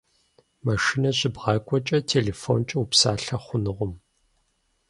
Машинэ щыбгъакӏуэкӏэ телефонкӏэ упсалъэ хъунукъым.